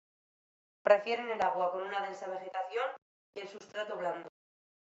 Prefieren el agua con una densa vegetación y el sustrato blando.